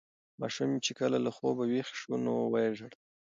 ماشوم چې کله له خوبه ویښ شو نو ویې ژړل.